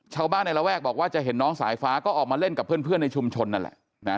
ชาวบ้านในระแวกบอกว่าจะเห็นน้องสายฟ้าก็ออกมาเล่นกับเพื่อนในชุมชนนั่นแหละนะ